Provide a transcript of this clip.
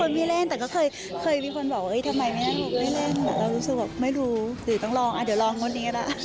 เป็นคนมีเล่นแต่ตอนนี้เคยมีคนบอกว่าทำไมบีนางของไม่เล่น